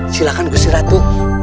silakan gusti ratu